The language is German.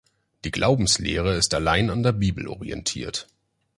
Die Glaubenslehre ist allein an der Bibel orientiert.